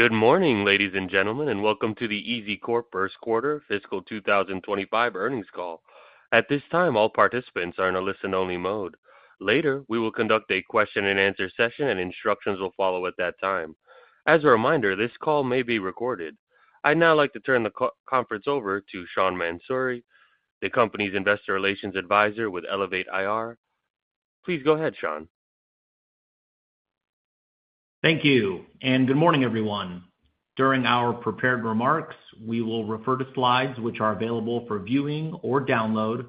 Good morning, ladies and gentlemen, and welcome to the EZCORP First Quarter Fiscal 2025 earnings call. At this time, all participants are in a listen-only mode. Later, we will conduct a question-and-answer session, and instructions will follow at that time. As a reminder, this call may be recorded. I'd now like to turn the conference over to Sean Mansouri, the company's investor relations advisor with Elevate IR. Please go ahead, Sean. Thank you, and good morning, everyone. During our prepared remarks, we will refer to slides which are available for viewing or download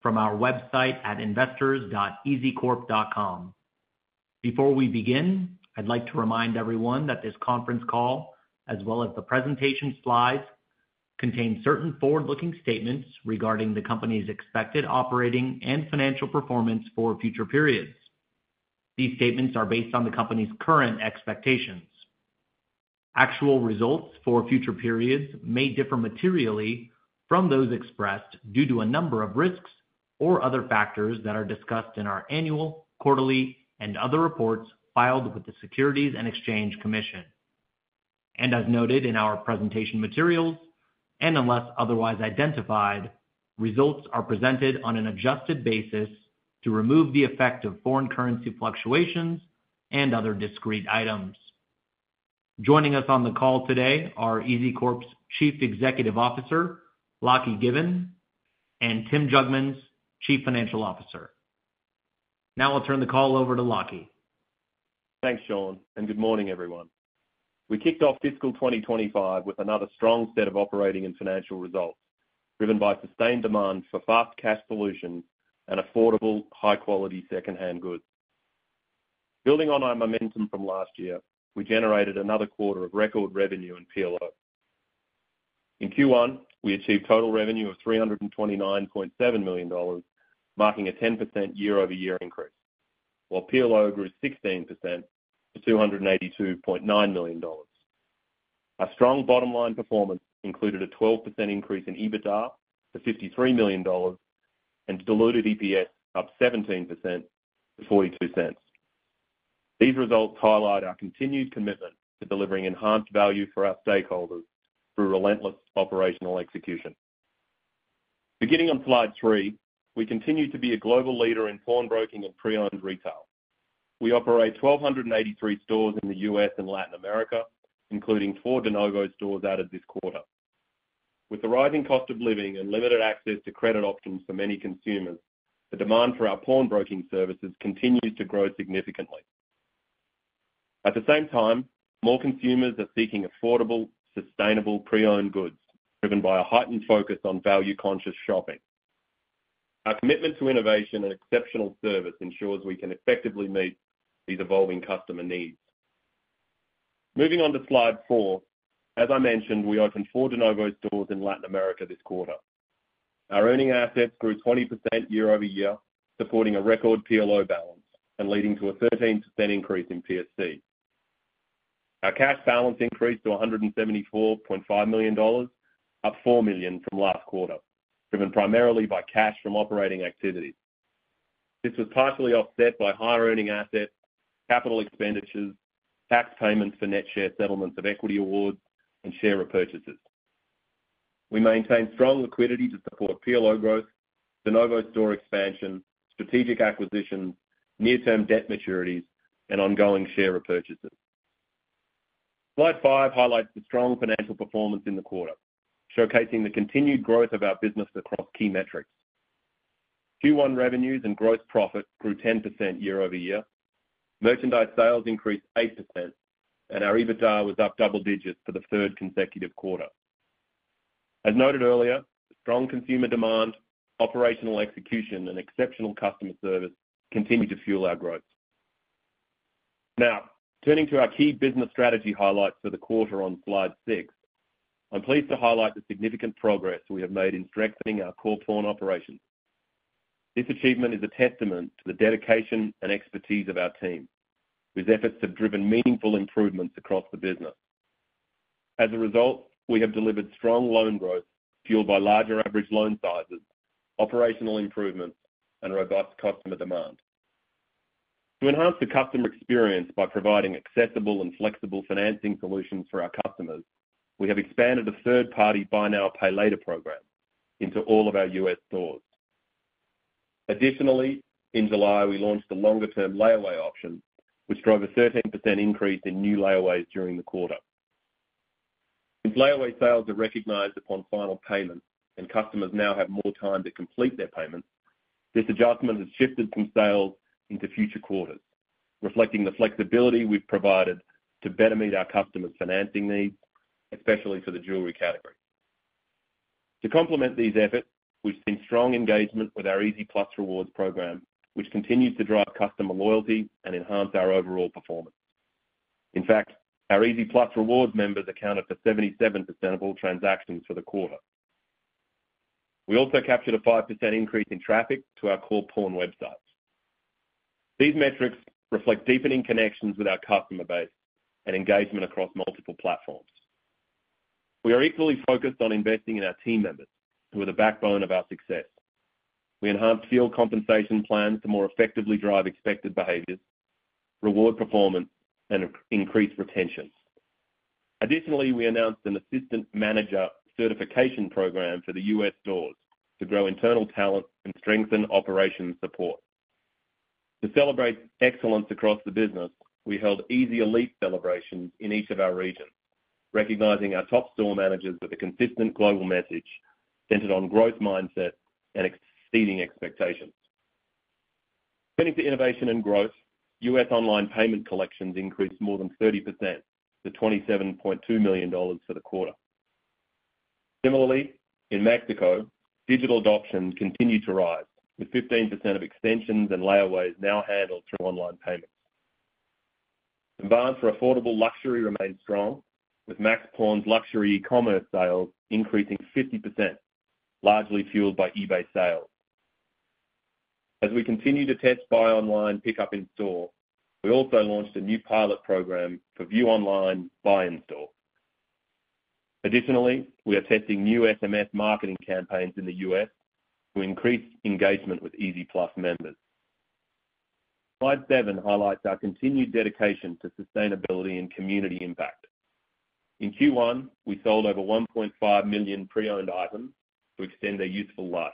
from our website at investors.ezcorp.com. Before we begin, I'd like to remind everyone that this conference call, as well as the presentation slides, contain certain forward-looking statements regarding the company's expected operating and financial performance for future periods. These statements are based on the company's current expectations. Actual results for future periods may differ materially from those expressed due to a number of risks or other factors that are discussed in our annual, quarterly, and other reports filed with the Securities and Exchange Commission, and as noted in our presentation materials, and unless otherwise identified, results are presented on an adjusted basis to remove the effect of foreign currency fluctuations and other discrete items. Joining us on the call today are EZCORP's Chief Executive Officer, Lachy Given, and Tim Jugmans, Chief Financial Officer. Now I'll turn the call over to Lachy. Thanks, Sean, and good morning, everyone. We kicked off Fiscal 2025 with another strong set of operating and financial results driven by sustained demand for fast cash solutions and affordable, high-quality second-hand goods. Building on our momentum from last year, we generated another quarter of record revenue in PLO. In Q1, we achieved total revenue of $329.7 million, marking a 10% year-over-year increase, while PLO grew 16% to $282.9 million. Our strong bottom-line performance included a 12% increase in EBITDA to $53 million and diluted EPS up 17% to $0.42. These results highlight our continued commitment to delivering enhanced value for our stakeholders through relentless operational execution. Beginning on slide three, we continue to be a global leader in pawnbroking and pre-owned retail. We operate 1,283 stores in the U.S. and Latin America, including four de novo stores out of this quarter. With the rising cost of living and limited access to credit options for many consumers, the demand for our pawnbroking services continues to grow significantly. At the same time, more consumers are seeking affordable, sustainable pre-owned goods driven by a heightened focus on value-conscious shopping. Our commitment to innovation and exceptional service ensures we can effectively meet these evolving customer needs. Moving on to slide four, as I mentioned, we opened four de novo stores in Latin America this quarter. Our earning assets grew 20% year-over-year, supporting a record PLO balance and leading to a 13% increase in PSC. Our cash balance increased to $174.5 million, up $4 million from last quarter, driven primarily by cash from operating activity. This was partially offset by higher earning assets, capital expenditures, tax payments for net share settlements of equity awards, and share repurchases. We maintain strong liquidity to support PLO growth, de novo store expansion, strategic acquisitions, near-term debt maturities, and ongoing share repurchases. Slide five highlights the strong financial performance in the quarter, showcasing the continued growth of our business across key metrics. Q1 revenues and gross profit grew 10% year-over-year, merchandise sales increased 8%, and our EBITDA was up double digits for the third consecutive quarter. As noted earlier, strong consumer demand, operational execution, and exceptional customer service continue to fuel our growth. Now, turning to our key business strategy highlights for the quarter on slide six, I'm pleased to highlight the significant progress we have made in strengthening our core foreign operations. This achievement is a testament to the dedication and expertise of our team, whose efforts have driven meaningful improvements across the business. As a result, we have delivered strong loan growth fueled by larger average loan sizes, operational improvements, and robust customer demand. To enhance the customer experience by providing accessible and flexible financing solutions for our customers, we have expanded a third-party Buy Now, Pay Later program into all of our U.S. stores. Additionally, in July, we launched a longer-term layaway option, which drove a 13% increase in new layaways during the quarter. Since layaway sales are recognized upon final payment and customers now have more time to complete their payments, this adjustment has shifted from sales into future quarters, reflecting the flexibility we've provided to better meet our customers' financing needs, especially for the jewelry category. To complement these efforts, we've seen strong engagement with our EZ+ Rewards program, which continues to drive customer loyalty and enhance our overall performance. In fact, our EZ+ Rewards members accounted for 77% of all transactions for the quarter. We also captured a 5% increase in traffic to our core pawn websites. These metrics reflect deepening connections with our customer base and engagement across multiple platforms. We are equally focused on investing in our team members, who are the backbone of our success. We enhanced field compensation plans to more effectively drive expected behaviors, reward performance, and increase retention. Additionally, we announced an Assistant Manager certification program for the U.S. stores to grow internal talent and strengthen operations support. To celebrate excellence across the business, we held EZ Elite celebrations in each of our regions, recognizing our top store managers with a consistent global message centered on growth mindset and exceeding expectations. Turning to innovation and growth, U.S. online payment collections increased more than 30% to $27.2 million for the quarter. Similarly, in Mexico, digital adoption continued to rise, with 15% of extensions and layaways now handled through online payments. Demand for affordable luxury remains strong, with Max Pawn's luxury e-commerce sales increasing 50%, largely fueled by eBay sales. As we continue to test buy online, pick up in store, we also launched a new pilot program for view online, buy in store. Additionally, we are testing new SMS marketing campaigns in the U.S. to increase engagement with EZ+ members. Slide seven highlights our continued dedication to sustainability and community impact. In Q1, we sold over 1.5 million pre-owned items to extend their useful life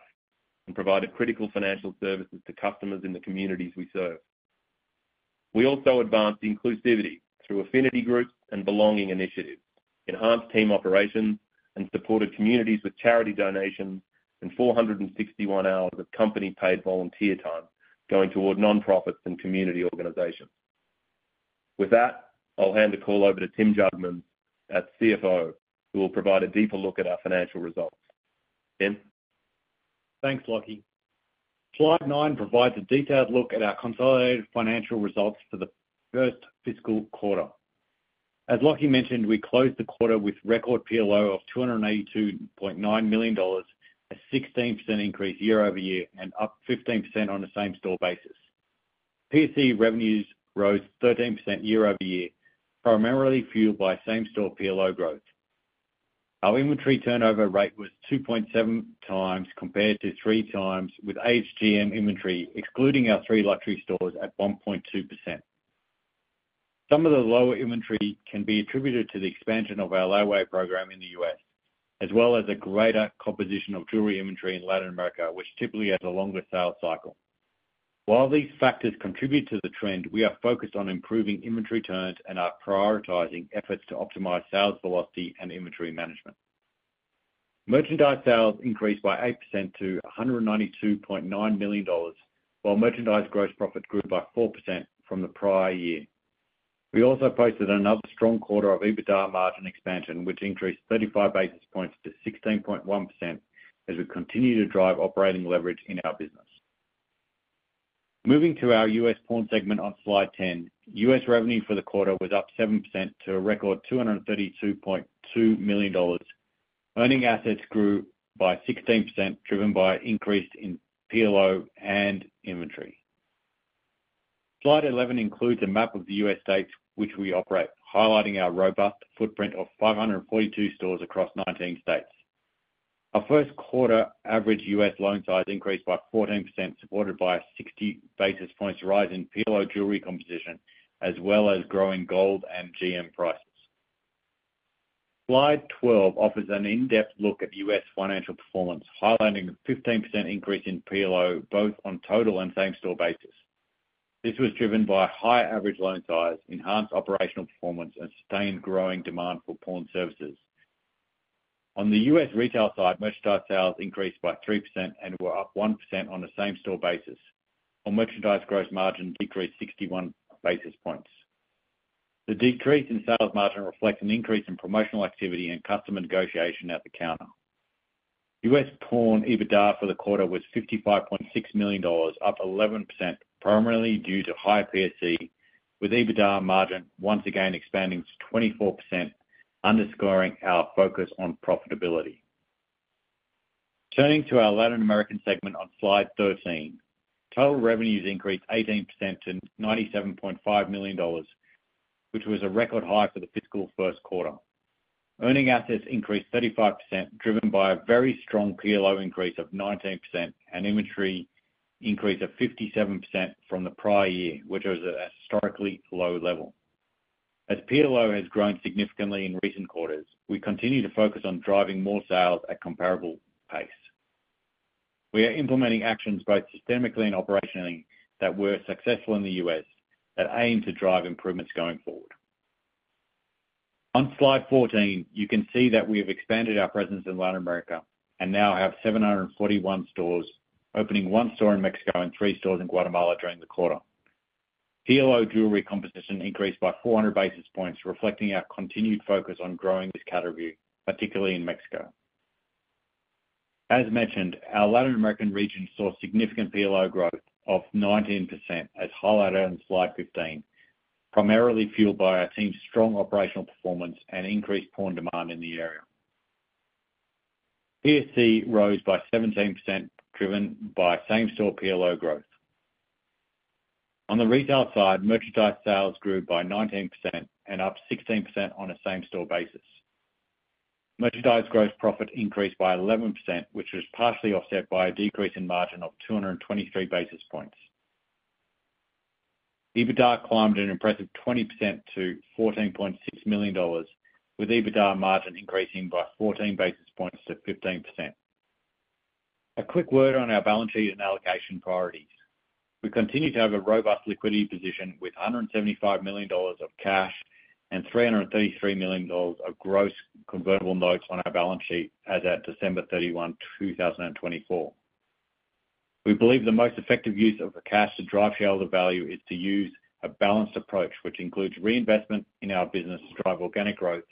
and provided critical financial services to customers in the communities we serve. We also advanced inclusivity through affinity groups and belonging initiatives, enhanced team operations, and supported communities with charity donations and 461 hours of company-paid volunteer time going toward nonprofits and community organizations. With that, I'll hand the call over to Tim Jugmans, CFO, who will provide a deeper look at our financial results. Tim. Thanks, Lachy. Slide nine provides a detailed look at our consolidated financial results for the first fiscal quarter. As Lachy mentioned, we closed the quarter with record PLO of $282.9 million, a 16% increase year-over-year and up 15% on the same-store basis. PSC revenues rose 13% year-over-year, primarily fueled by same-store PLO growth. Our inventory turnover rate was 2.7 times compared to three times, with aged GM inventory excluding our three luxury stores at 1.2%. Some of the lower inventory can be attributed to the expansion of our layaway program in the U.S., as well as a greater composition of jewelry inventory in Latin America, which typically has a longer sales cycle. While these factors contribute to the trend, we are focused on improving inventory turns and are prioritizing efforts to optimize sales velocity and inventory management. Merchandise sales increased by 8% to $192.9 million, while merchandise gross profit grew by 4% from the prior year. We also posted another strong quarter of EBITDA margin expansion, which increased 35 basis points to 16.1% as we continue to drive operating leverage in our business. Moving to our U.S. Pawn segment on slide 10, U.S. revenue for the quarter was up 7% to a record $232.2 million. Earning assets grew by 16%, driven by an increase in PLO and inventory. Slide 11 includes a map of the U.S states which we operate, highlighting our robust footprint of 542 stores across 19 states. Our first quarter average U.S loan size increased by 14%, supported by a 60 basis points rise in PLO jewelry composition, as well as growing gold and GM prices. Slide 12 offers an in-depth look at U.S. financial performance, highlighting a 15% increase in PLO both on total and same-store basis. This was driven by high average loan size, enhanced operational performance, and sustained growing demand for pawn services. On the U.S. retail side, merchandise sales increased by 3% and were up 1% on the same-store basis. Merchandise gross margin decreased 61 basis points. The decrease in sales margin reflects an increase in promotional activity and customer negotiation at the counter. U.S. Pawn EBITDA for the quarter was $55.6 million, up 11%, primarily due to high PSC, with EBITDA margin once again expanding to 24%, underscoring our focus on profitability. Turning to our Latin American segment on slide 13, total revenues increased 18% to $97.5 million, which was a record high for the fiscal first quarter. Earning assets increased 35%, driven by a very strong PLO increase of 19% and inventory increase of 57% from the prior year, which was a historically low level. As PLO has grown significantly in recent quarters, we continue to focus on driving more sales at a comparable pace. We are implementing actions both systemically and operationally that were successful in the U.S. that aim to drive improvements going forward. On slide 14, you can see that we have expanded our presence in Latin America and now have 741 stores, opening one store in Mexico and three stores in Guatemala during the quarter. PLO jewelry composition increased by 400 basis points, reflecting our continued focus on growing this category, particularly in Mexico. As mentioned, our Latin American region saw significant PLO growth of 19%, as highlighted on slide 15, primarily fueled by our team's strong operational performance and increased pawn demand in the area. PSC rose by 17%, driven by same-store PLO growth. On the retail side, merchandise sales grew by 19% and up 16% on a same-store basis. Merchandise gross profit increased by 11%, which was partially offset by a decrease in margin of 223 basis points. EBITDA climbed an impressive 20% to $14.6 million, with EBITDA margin increasing by 14 basis points to 15%. A quick word on our balance sheet and allocation priorities. We continue to have a robust liquidity position with $175 million of cash and $333 million of gross convertible notes on our balance sheet as of December 31, 2024. We believe the most effective use of the cash to drive shareholder value is to use a balanced approach, which includes reinvestment in our business to drive organic growth,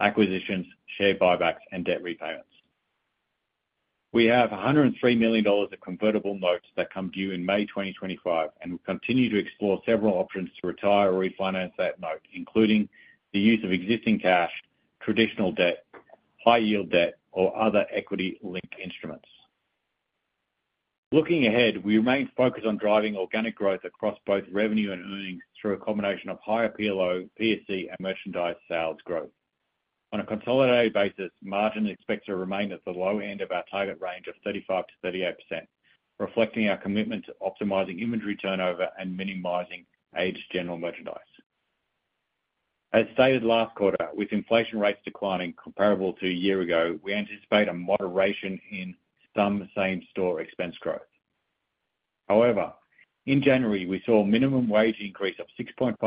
acquisitions, share buybacks, and debt repayments. We have $103 million of convertible notes that come due in May 2025, and we continue to explore several options to retire or refinance that note, including the use of existing cash, traditional debt, high-yield debt, or other equity-linked instruments. Looking ahead, we remain focused on driving organic growth across both revenue and earnings through a combination of higher PLO, PSC, and merchandise sales growth. On a consolidated basis, margins expected to remain at the low end of our target range of 35%-38%, reflecting our commitment to optimizing inventory turnover and minimizing aged general merchandise. As stated last quarter, with inflation rates declining comparable to a year ago, we anticipate a moderation in some same-store expense growth. However, in January, we saw minimum wage increase of 6.5%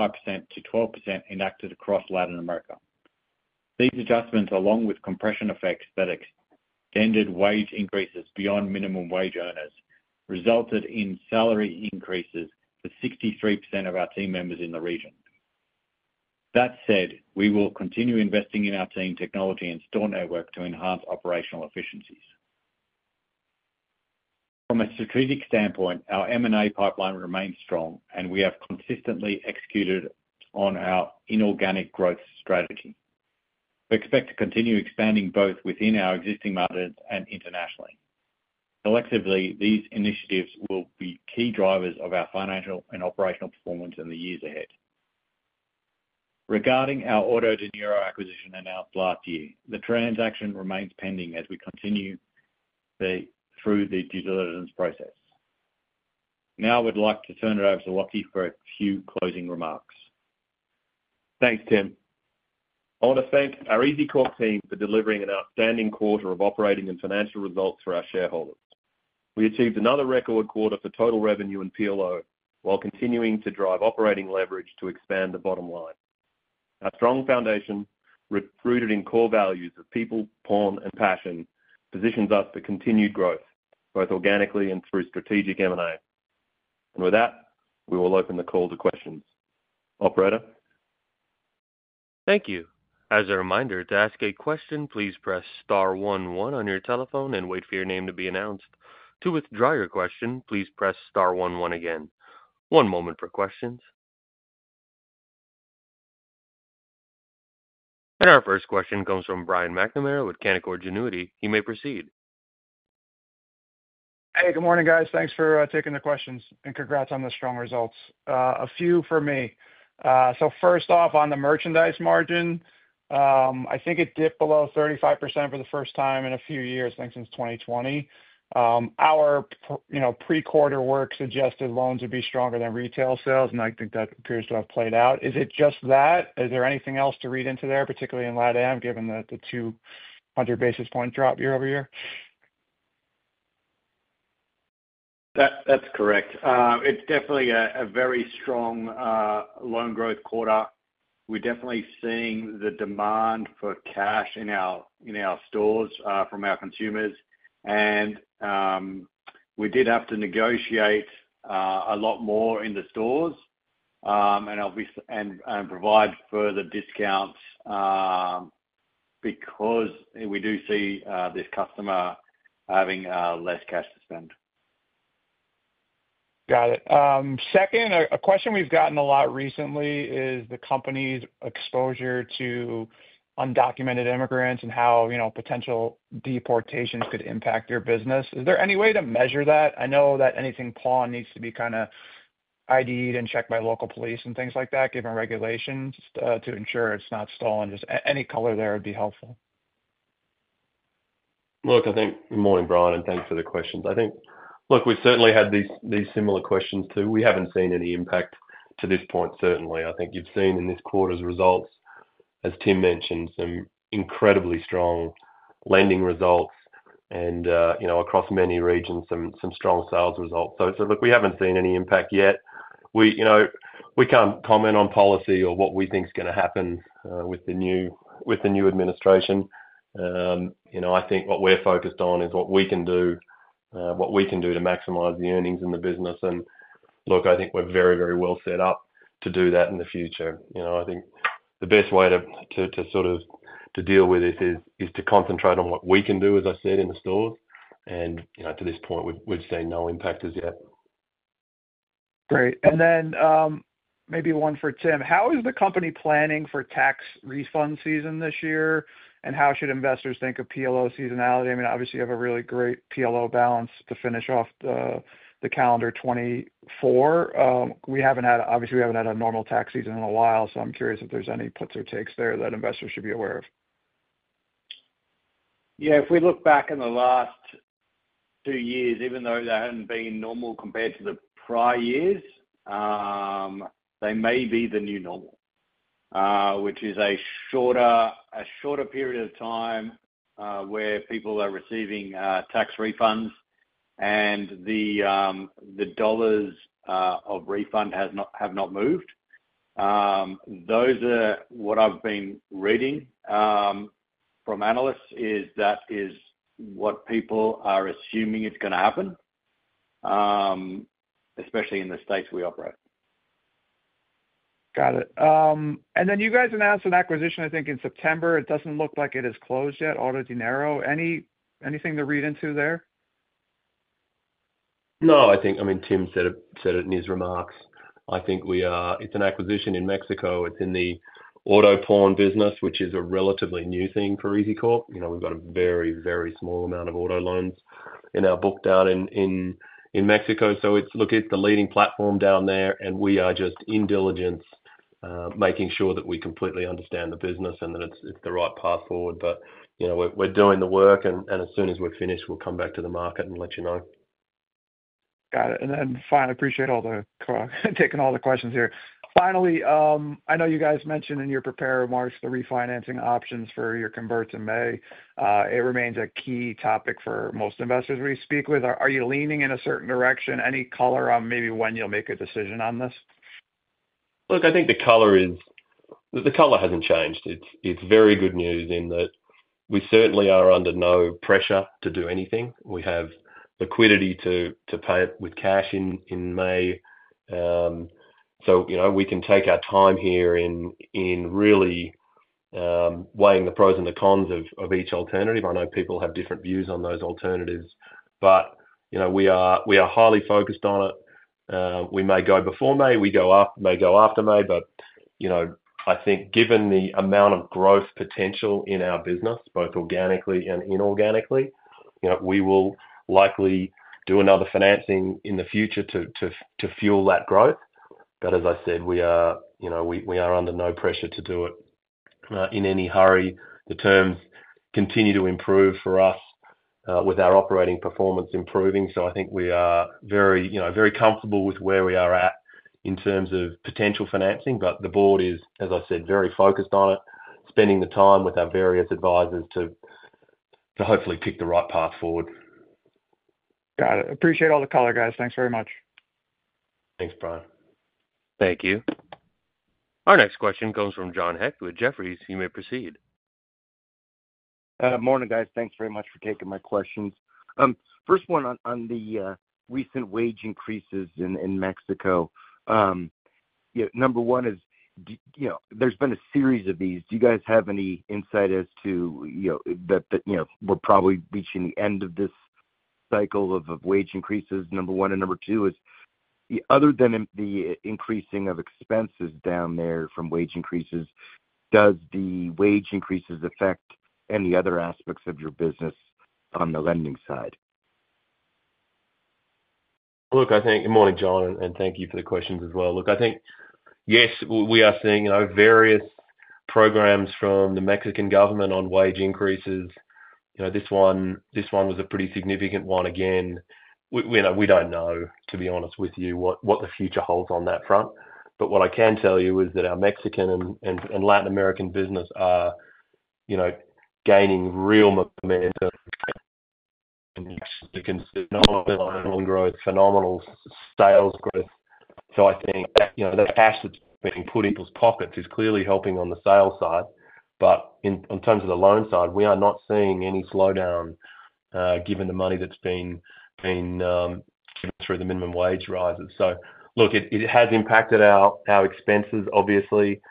to 12% enacted across Latin America. These adjustments, along with compression effects that extended wage increases beyond minimum wage earners, resulted in salary increases for 63% of our team members in the region. That said, we will continue investing in our team technology and store network to enhance operational efficiencies. From a strategic standpoint, our M&A pipeline remains strong, and we have consistently executed on our inorganic growth strategy. We expect to continue expanding both within our existing markets and internationally. Collectively, these initiatives will be key drivers of our financial and operational performance in the years ahead. Regarding our AutoDinero acquisition announced last year, the transaction remains pending as we continue through the due diligence process. Now I would like to turn it over to Lachy for a few closing remarks. Thanks, Tim. I want to thank our EZCORP team for delivering an outstanding quarter of operating and financial results for our shareholders. We achieved another record quarter for total revenue and PLO while continuing to drive operating leverage to expand the bottom line. Our strong foundation, rooted in core values of people, pawn, and passion, positions us for continued growth, both organically and through strategic M&A, and with that, we will open the call to questions. Operator. Thank you. As a reminder, to ask a question, please press star 11 on your telephone and wait for your name to be announced. To withdraw your question, please press star 11 again. One moment for questions. And our first question comes from Brian McNamara with Canaccord Genuity. He may proceed. Hey, good morning, guys. Thanks for taking the questions, and congrats on the strong results. A few for me. So first off, on the merchandise margin, I think it dipped below 35% for the first time in a few years, I think since 2020. Our pre-quarter work suggested loans would be stronger than retail sales, and I think that appears to have played out. Is it just that? Is there anything else to read into there, particularly in LatAm, given the 200 basis points drop year-over-year? That's correct. It's definitely a very strong loan growth quarter. We're definitely seeing the demand for cash in our stores from our consumers, and we did have to negotiate a lot more in the stores and provide further discounts because we do see this customer having less cash to spend. Got it. Second, a question we've gotten a lot recently is the company's exposure to undocumented immigrants and how potential deportations could impact your business. Is there any way to measure that? I know that anything pawned needs to be kind of ID'd and checked by local police and things like that, given regulations, to ensure it's not stolen. Just any color there would be helpful. Look, I think. Good morning, Brian, and thanks for the questions. I think, look, we've certainly had these similar questions too. We haven't seen any impact to this point, certainly. I think you've seen in this quarter's results, as Tim mentioned, some incredibly strong lending results and across many regions, some strong sales results. So look, we haven't seen any impact yet. We can't comment on policy or what we think's going to happen with the new administration. I think what we're focused on is what we can do, what we can do to maximize the earnings in the business. And look, I think we're very, very well set up to do that in the future. I think the best way to sort of deal with this is to concentrate on what we can do, as I said, in the stores. And to this point, we've seen no impact as yet. Great. And then maybe one for Tim. How is the company planning for tax refund season this year, and how should investors think of PLO seasonality? I mean, obviously, you have a really great PLO balance to finish off the calendar 2024. Obviously, we haven't had a normal tax season in a while, so I'm curious if there's any puts or takes there that investors should be aware of. Yeah, if we look back in the last two years, even though that hadn't been normal compared to the prior years, they may be the new normal, which is a shorter period of time where people are receiving tax refunds and the dollars of refund have not moved. Those are what I've been reading from analysts, is that is what people are assuming is going to happen, especially in the states we operate. Got it. And then you guys announced an acquisition, I think, in September. It doesn't look like it is closed yet, AutoDinero. Anything to read into there? No, I think, I mean, Tim said it in his remarks. I think it's an acquisition in Mexico. It's in the auto pawn business, which is a relatively new thing for EZCORP. We've got a very, very small amount of auto loans in our book down in Mexico. So look, it's the leading platform down there, and we are just in diligence making sure that we completely understand the business and that it's the right path forward. But we're doing the work, and as soon as we're finished, we'll come back to the market and let you know. Got it. And then finally, I appreciate taking all the questions here. Finally, I know you guys mentioned in your prepared remarks the refinancing options for your convertibles in May. It remains a key topic for most investors we speak with. Are you leaning in a certain direction? Any color on maybe when you'll make a decision on this? Look, I think the color hasn't changed. It's very good news in that we certainly are under no pressure to do anything. We have liquidity to pay it with cash in May. So we can take our time here in really weighing the pros and the cons of each alternative. I know people have different views on those alternatives, but we are highly focused on it. We may go before May. We may go after May. But I think given the amount of growth potential in our business, both organically and inorganically, we will likely do another financing in the future to fuel that growth. But as I said, we are under no pressure to do it in any hurry. The terms continue to improve for us with our operating performance improving. So I think we are very comfortable with where we are at in terms of potential financing. But the board is, as I said, very focused on it, spending the time with our various advisors to hopefully pick the right path forward. Got it. Appreciate all the color, guys. Thanks very much. Thanks, Brian. Thank you. Our next question comes from John Hecht with Jefferies. You may proceed. Morning, guys. Thanks very much for taking my questions. First one on the recent wage increases in Mexico. Number one is there's been a series of these. Do you guys have any insight as to that we're probably reaching the end of this cycle of wage increases? Number one and number two is, other than the increasing of expenses down there from wage increases, does the wage increases affect any other aspects of your business on the lending side? Look, I think, good morning, John, and thank you for the questions as well. Look, I think, yes, we are seeing various programs from the Mexican government on wage increases. This one was a pretty significant one. Again, we don't know, to be honest with you, what the future holds on that front. But what I can tell you is that our Mexican and Latin American business are gaining real momentum in Mexican loan growth, phenomenal sales growth. So I think the cash that's being put in those pockets is clearly helping on the sales side. But in terms of the loan side, we are not seeing any slowdown given the money that's been given through the minimum wage rises. So look, it has impacted our expenses, obviously,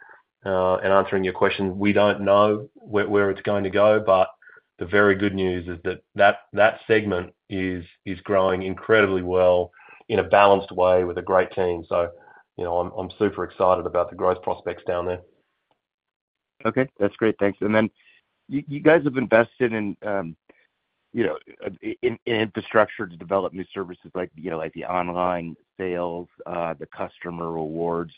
and answering your question, we don't know where it's going to go. But the very good news is that that segment is growing incredibly well in a balanced way with a great team. So I'm super excited about the growth prospects down there. Okay. That's great. Thanks. And then you guys have invested in infrastructure to develop new services like the online sales, the customer rewards,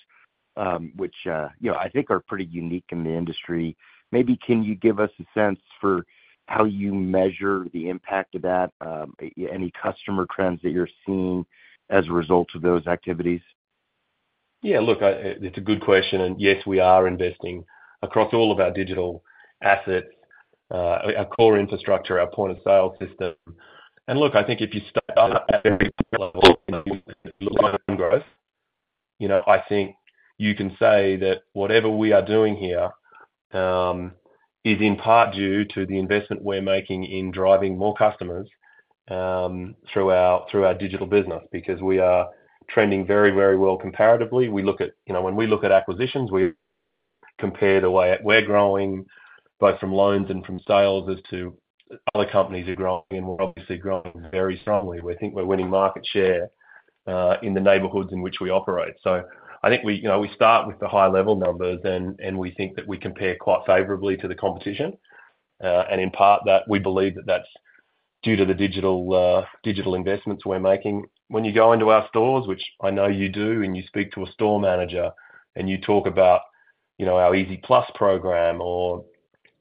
which I think are pretty unique in the industry. Maybe can you give us a sense for how you measure the impact of that, any customer trends that you're seeing as a result of those activities? Yeah. Look, it's a good question. And yes, we are investing across all of our digital assets, our core infrastructure, our point of sale system. And look, I think if you start at every level loan growth, I think you can say that whatever we are doing here is in part due to the investment we're making in driving more customers through our digital business because we are trending very, very well comparatively. When we look at acquisitions, we compare the way we're growing, both from loans and from sales as to other companies who are growing, and we're obviously growing very strongly. We think we're winning market share in the neighborhoods in which we operate. So I think we start with the high-level numbers, and we think that we compare quite favorably to the competition. And in part, we believe that that's due to the digital investments we're making. When you go into our stores, which I know you do, and you speak to a store manager, and you talk about our EZ+ Program or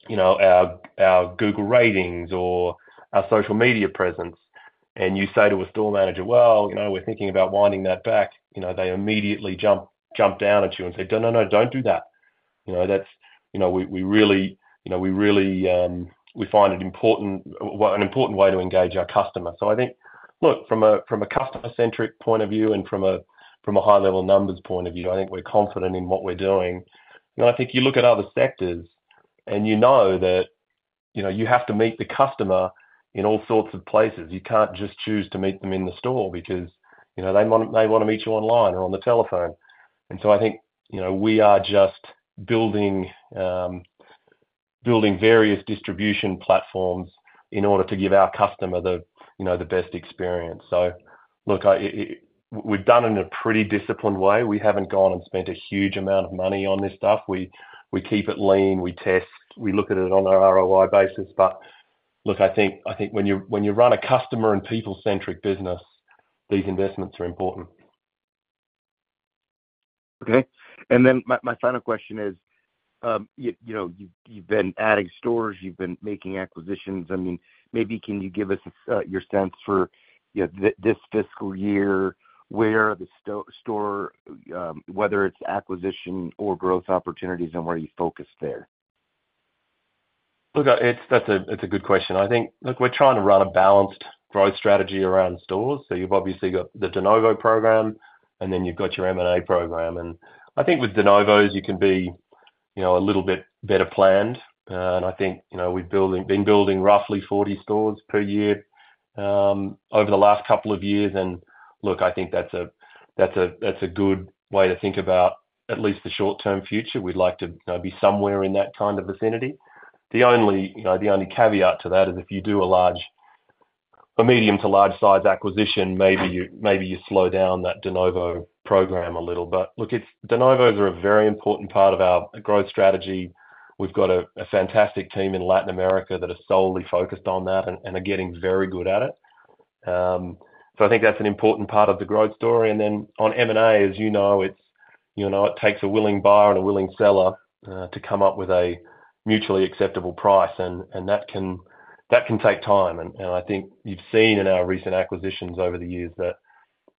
our Google ratings or our social media presence, and you say to a store manager, "Well, we're thinking about winding that back," they immediately jump down at you and say, "No, no, no, don't do that. We really find it an important way to engage our customer." So I think, look, from a customer-centric point of view and from a high-level numbers point of view, I think we're confident in what we're doing. I think you look at other sectors, and you know that you have to meet the customer in all sorts of places. You can't just choose to meet them in the store because they want to meet you online or on the telephone. And so I think we are just building various distribution platforms in order to give our customer the best experience. So look, we've done it in a pretty disciplined way. We haven't gone and spent a huge amount of money on this stuff. We keep it lean. We test. We look at it on an ROI basis. But look, I think when you run a customer and people-centric business, these investments are important. Okay. And then my final question is, you've been adding stores. You've been making acquisitions. I mean, maybe can you give us your sense for this fiscal year? Where are the stores, whether it's acquisition or growth opportunities, and where are you focused there? Look, that's a good question. I think, look, we're trying to run a balanced growth strategy around stores. So you've obviously got the De Novo program, and then you've got your M&A program. And I think with de novos, you can be a little bit better planned. And I think we've been building roughly 40 stores per year over the last couple of years. And look, I think that's a good way to think about at least the short-term future. We'd like to be somewhere in that kind of vicinity. The only caveat to that is if you do a medium to large-sized acquisition, maybe you slow down that de novo program a little. But look, de novos are a very important part of our growth strategy. We've got a fantastic team in Latin America that are solely focused on that and are getting very good at it. So I think that's an important part of the growth story. And then on M&A, as you know, it takes a willing buyer and a willing seller to come up with a mutually acceptable price, and that can take time. And I think you've seen in our recent acquisitions over the years that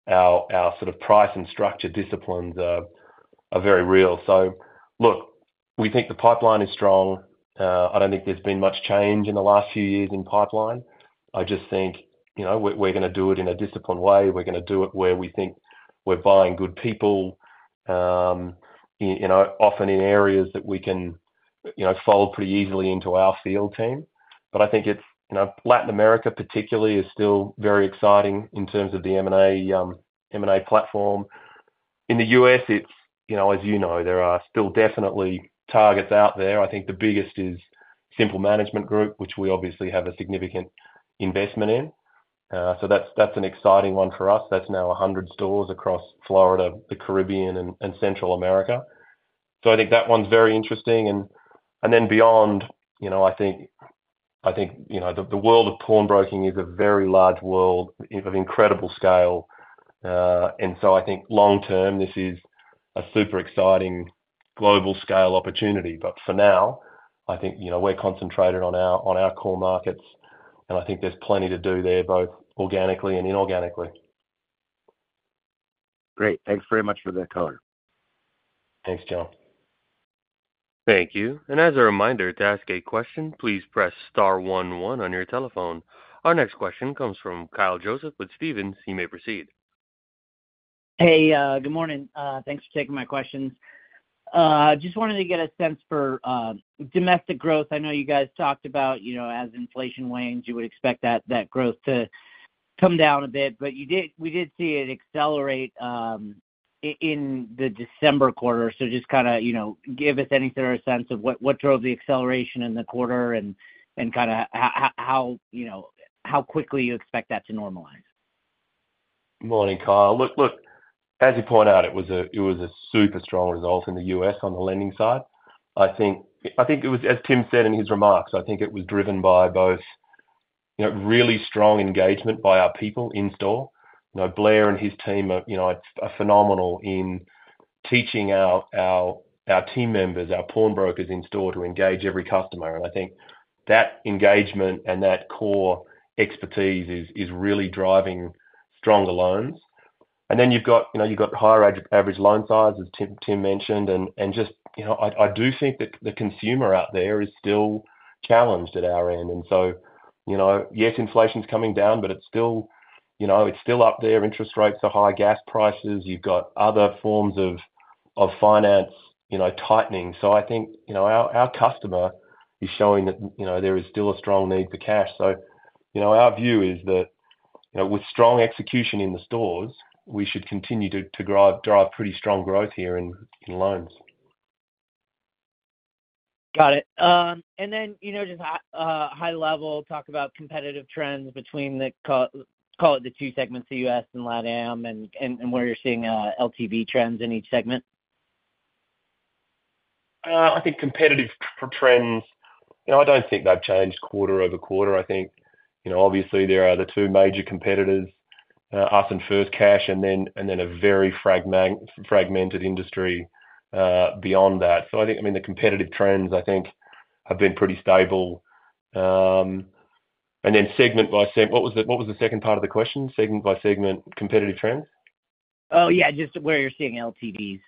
our sort of price and structure disciplines are very real. So look, we think the pipeline is strong. I don't think there's been much change in the last few years in pipeline. I just think we're going to do it in a disciplined way. We're going to do it where we think we're buying good people, often in areas that we can fold pretty easily into our field team. But I think Latin America, particularly, is still very exciting in terms of the M&A platform. In the U.S., as you know, there are still definitely targets out there. I think the biggest is Simple Management Group, which we obviously have a significant investment in. So that's an exciting one for us. That's now 100 stores across Florida, the Caribbean, and Central America. So I think that one's very interesting. And then beyond, I think the world of pawnbroking is a very large world of incredible scale. And so I think long-term, this is a super exciting global-scale opportunity. But for now, I think we're concentrated on our core markets, and I think there's plenty to do there, both organically and inorganically. Great. Thanks very much for that, Color. Thanks, John. Thank you. And as a reminder, to ask a question, please press star 11 on your telephone. Our next question comes from Kyle Joseph with Stephens. You may proceed. Hey, good morning. Thanks for taking my questions. Just wanted to get a sense for domestic growth. I know you guys talked about as inflation wanes, you would expect that growth to come down a bit, but we did see it accelerate in the December quarter. So just kind of give us any sort of sense of what drove the acceleration in the quarter and kind of how quickly you expect that to normalize? Morning, Kyle. Look, as you point out, it was a super strong result in the U.S. on the lending side. I think it was, as Tim said in his remarks, I think it was driven by both really strong engagement by our people in store. Blair and his team are phenomenal in teaching our team members, our pawn brokers in store, to engage every customer. I think that engagement and that core expertise is really driving stronger loans. Then you've got higher average loan sizes, Tim mentioned. Just I do think that the consumer out there is still challenged at our end. So yes, inflation's coming down, but it's still up there. Interest rates are high, gas prices. You've got other forms of finance tightening. I think our customer is showing that there is still a strong need for cash. So our view is that with strong execution in the stores, we should continue to drive pretty strong growth here in loans. Got it. And then just high-level talk about competitive trends between the, call it the two segments, the U.S. and LatAm, and where you're seeing LTV trends in each segment? I think competitive trends, I don't think they've changed quarter over quarter. I think, obviously, there are the two major competitors, us and FirstCash, and then a very fragmented industry beyond that. So I think, I mean, the competitive trends, I think, have been pretty stable. And then segment by segment, what was the second part of the question? Segment by segment competitive trends? Oh, yeah, just where you're seeing LTVs.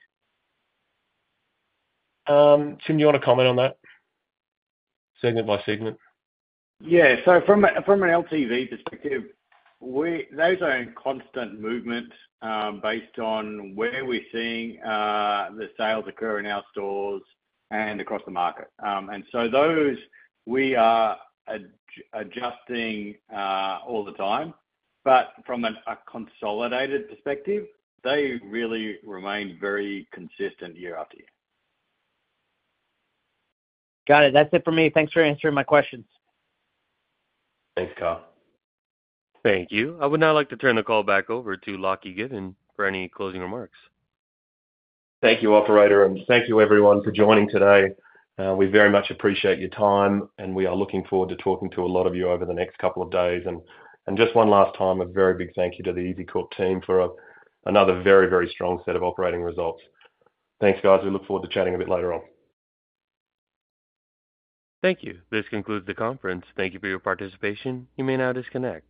Tim, do you want to comment on that? Segment by segment? Yeah. So from an LTV perspective, those are in constant movement based on where we're seeing the sales occur in our stores and across the market. And so those, we are adjusting all the time. But from a consolidated perspective, they really remain very consistent year after year. Got it. That's it for me. Thanks for answering my questions. Thanks, Kyle. Thank you. I would now like to turn the call back over to Lachlan Given for any closing remarks. Thank you, operator, and thank you, everyone, for joining today. We very much appreciate your time, and we are looking forward to talking to a lot of you over the next couple of days. And just one last time, a very big thank you to the EZCORP team for another very, very strong set of operating results. Thanks, guys. We look forward to chatting a bit later on. Thank you. This concludes the conference. Thank you for your participation. You may now disconnect.